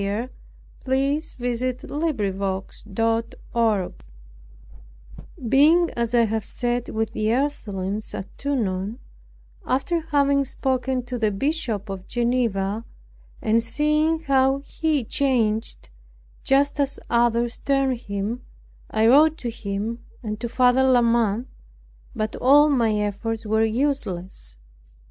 But I can only stammer about it. CHAPTER 9 Being, as I have said, with the Ursulines at Tonon, after having spoken to the Bishop of Geneva, and seeing how he changed, just as others turned him, I wrote to him and to Father La Mothe; but all my efforts were useless.